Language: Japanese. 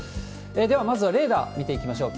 では、まずはレーダー見ていきましょう。